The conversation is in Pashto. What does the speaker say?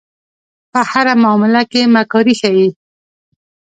په هره معامله کې مکاري ښيي.